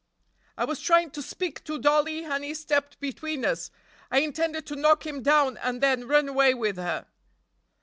"I was trying to speak to Dollie and he stepped between us. I intended to knock him down and then run away with her."